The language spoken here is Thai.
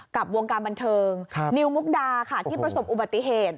กับวงการบันเทิงนิวมุกดาค่ะที่ประสบอุบัติเหตุ